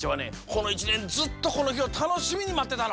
この１ねんずっとこのひをたのしみにまってたの。